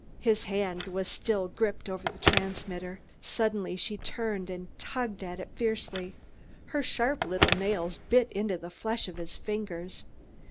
His hand was still gripped over the transmitter. Suddenly she turned and tugged at it fiercely. Her sharp little nails bit into the flesh of his fingers.